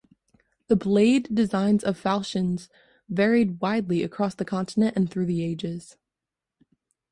The blade designs of falchions varied widely across the continent and through the ages.